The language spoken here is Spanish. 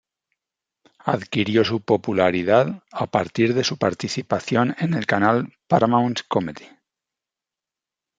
Adquirió su popularidad a partir de su participación en el canal Paramount Comedy.